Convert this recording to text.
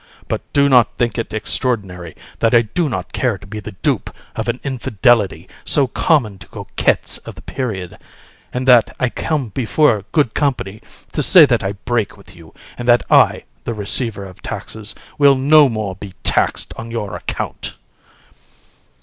But do not think it extraordinary that I do not care to be the dupe of an infidelity so common to coquettes of the period, and that I come before good company to say that I break with you, and that I, the receiver of taxes, will no more be taxed on your account.